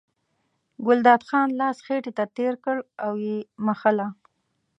ګلداد خان لاس خېټې ته تېر کړ او یې مښله.